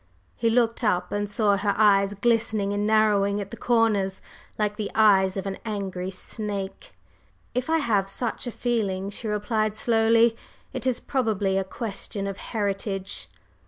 He looked up and saw her eyes glistening and narrowing at the corners, like the eyes of an angry snake. "If I have such a feeling," she replied slowly, "it is probably a question of heritage."